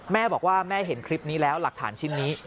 แม่บอกว่าแม่เห็นคลิปนี้แล้วหลักฐานชิ้นนี้